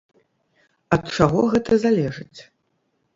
Ад чаго гэта залежыць?